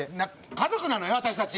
家族なのよ私たち！